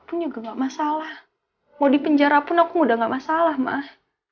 pun nggak masalah mau di penjara pun aku udah enggak masalah mah